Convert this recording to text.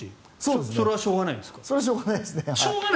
それはしょうがないですね。